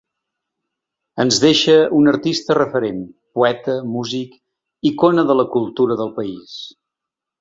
Ens deixa un artista referent, poeta, músic, icona de la cultura del país.